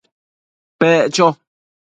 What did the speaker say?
Pec cho